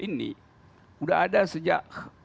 ini sudah ada sejak